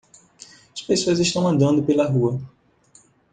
as pessoas estão andando pela rua.